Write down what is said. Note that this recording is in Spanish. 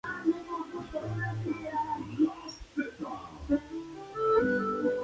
El premio fue otorgado por la Revista Obras.